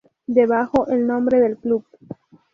Debajo, el nombre del club.